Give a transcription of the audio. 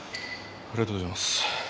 ありがとうございます。